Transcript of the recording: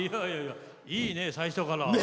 いいね、最初から。